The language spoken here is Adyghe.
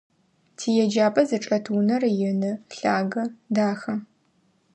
Тиеджапӏэ зычӏэт унэр ины, лъагэ, дахэ.